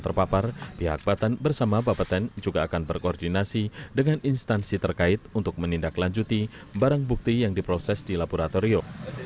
terpapar pihak batan bersama bapeten juga akan berkoordinasi dengan instansi terkait untuk menindaklanjuti barang bukti yang diproses di laboratorium